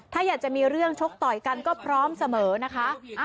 ถ้าอยากจะมีเรื่องชกต่อยกันก็พร้อมเสมอนะคะ